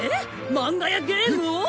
漫画やゲームを！？